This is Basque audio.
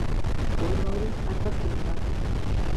Poema hori argazki bat da.